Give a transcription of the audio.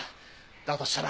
としたら